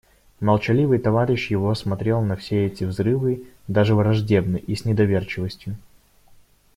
Молчаливый товарищ его смотрел на все эти взрывы даже враждебно и с недоверчивостью.